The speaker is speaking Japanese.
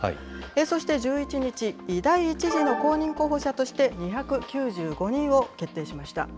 そして１１日、第１次の公認候補者として、２９５人を決定しました。